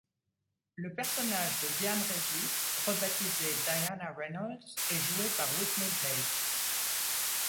Le personnage de Diane Regis, rebaptisé Diana Reynolds, est joué par Whitney Blake.